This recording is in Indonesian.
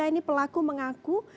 saya ini pelaku mengaku